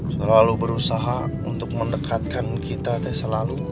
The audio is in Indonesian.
selalu berusaha untuk mendekatkan kita teh selalu